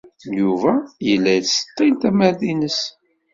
Yuba yella yettseḍḍil tamart-nnes.